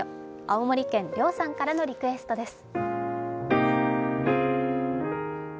青森県りょうさんからのリクエストです。